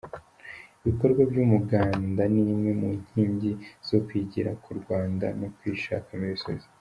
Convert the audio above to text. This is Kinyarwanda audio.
Ibikorwa by’umuganda ni imwe mu nkingi zo kwigira ku Rwanda no kwishakamo ibisubizo.